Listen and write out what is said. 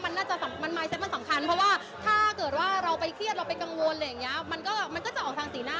เพราะว่ามายเซ็ปต์มันสำคัญเพราะว่าถ้าเราเขียวเคียดเงียบลูกจะออกสีหน้า